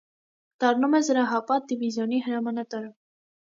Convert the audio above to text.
Դառնում է զրահապատ դիվիզիոնի հրամանատարը։